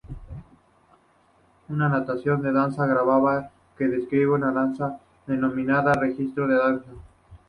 Una notación de danza grabada que describe una danza es denominada "registro de danza".